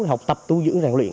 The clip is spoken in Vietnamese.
học tập tu dưỡng ràng luyện